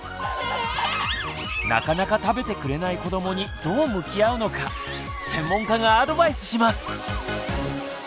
なかなか食べてくれない子どもにどう向き合うのか専門家がアドバイスします。